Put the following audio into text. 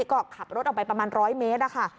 ก็ขับรถออกไปประมาณ๑๐๐เมตรนะคะ